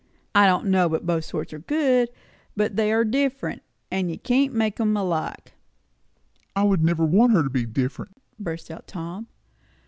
I don't know but both sorts are good; but they are different, and you can't make 'em alike." "I would never want her to be different!" burst out Tom.